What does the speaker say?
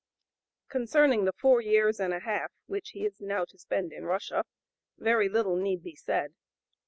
Concerning the four years and a half which he is now to spend in Russia very little need be said.